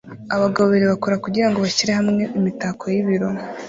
Abagabo babiri bakora kugirango bashyire hamwe imitako y'ibiro